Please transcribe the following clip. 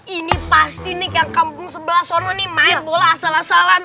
ini pasti nih kayak kampung sebelah sana nih main bola asalan asalan